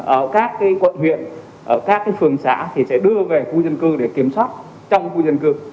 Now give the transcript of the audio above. ở các quận huyện các phường xã thì sẽ đưa về khu dân cư để kiểm soát trong khu dân cư